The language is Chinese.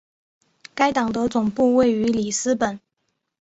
该党的总部位于里斯本。